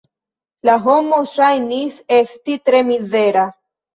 La homo ŝajnis esti tre mizera.